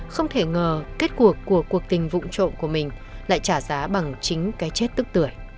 không thể ngờ kết cuộc của cuộc tình vụng trộm của mình lại trả giá bằng chính cái chết tức tuổi